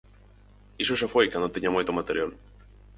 Iso xa foi cando tiña moito material.